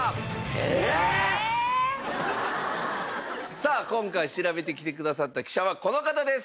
さあ今回調べてきてくださった記者はこの方です！